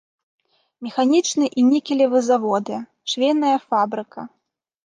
Механічны і нікелевы заводы, швейная фабрыка.